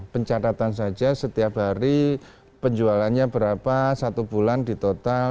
pencatatan saja setiap hari penjualannya berapa satu bulan di total